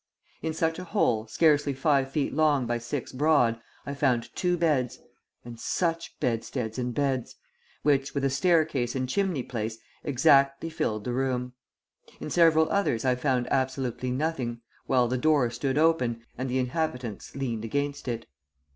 In such a hole, scarcely five feet long by six broad, I found two beds and such bedsteads and beds! which, with a staircase and chimney place, exactly filled the room. In several others I found absolutely nothing, while the door stood open, and the inhabitants leaned against it.